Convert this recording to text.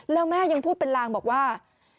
แล้วแม่ยังพูดเป็นลางบอกว่า